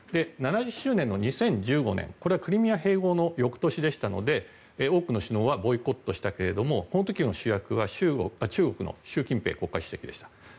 ７０周年の２０１５年これはクリミア併合の翌年でしたので多くの首脳はボイコットしたけれどもこの時の主役は中国の習近平国家主席でした。